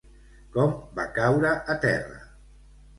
Com va caure a terra?